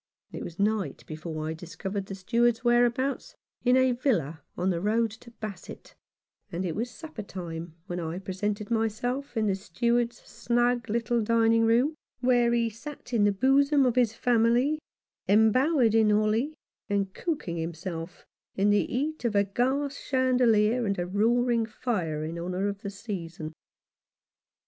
It was night before I discovered the Steward's whereabouts, in a villa on the road to Basset, and it was supper time when I presented myself in the Steward's snug little dining room, where he sat in the bosom of his family, embowered in holly, and cooking himself in the heat of a gas chandelier and a roaring fire in honour of the season.